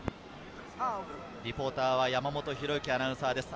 リポーターは山本紘之アナウンサーです。